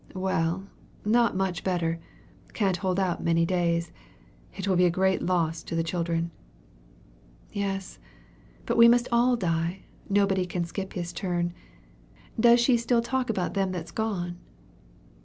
"Well, not much better; can't hold out many days. It will be a great loss to the children." "Yes; but we must all die nobody can skip his turn. Does she still talk about them that's gone?"